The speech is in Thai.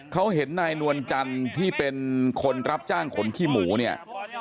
เขาเห็นนายนวลจันทร์ที่เป็นคนรับจ้างขนขี้หมูเนี่ย